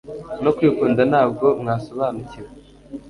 no kwikunda Ntabwo mwasobanukiwe